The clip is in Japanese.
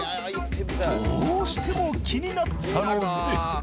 どうしても気になったので。